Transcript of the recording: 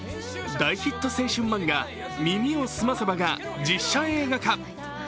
大ヒット青春漫画「耳をすませば」が実写映画化。